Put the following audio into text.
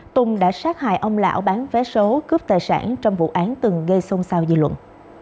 tùng đã sát hại ông lão bán vé số cướp tài sản trong vụ án từng gây xôn xao dư luận